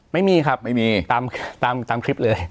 ไม่มีครับตามคลิปเลย